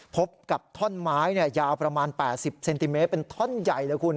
พบกับท่อนไม้ยาวประมาณ๘๐เซนติเมตรเป็นท่อนใหญ่เลยคุณ